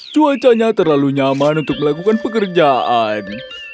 cuacanya terlalu nyaman untuk melakukan pekerjaan